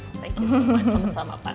thank you sama sama pak